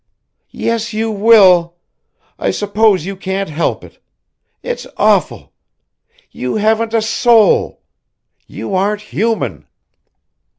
"Yes, you will. I suppose you can't help it. It's awful. You haven't a soul. You aren't human."